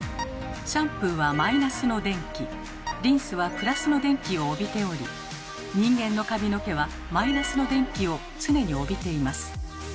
シャンプーはマイナスの電気リンスはプラスの電気を帯びており人間の髪の毛はマイナスの電気を常に帯びています。